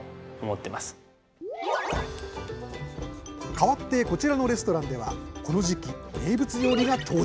かわってこちらのレストランではこの時期名物料理が登場。